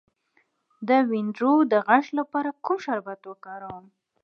د وینادرو د غږ لپاره کوم شربت وکاروم؟